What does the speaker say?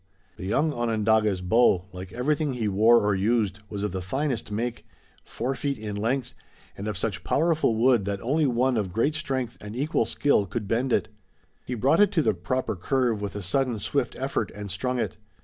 The young Onondaga's bow, like everything he wore or used, was of the finest make, four feet in length, and of such powerful wood that only one of great strength and equal skill could bend it. He brought it to the proper curve with a sudden, swift effort, and strung it.